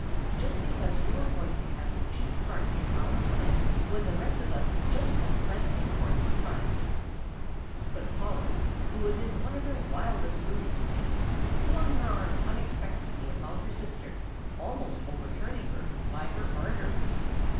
"Just because you are going to have the chief part in our play when the rest of us just have less important parts." But Polly, who was in one of her wildest moods to night, flung her arms unexpectedly about her sister, almost overturning her by her ardor.